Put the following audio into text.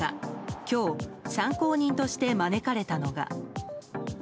今日、参考人として招かれたのが。